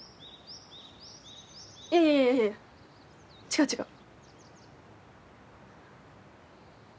いやいやいや違う違う。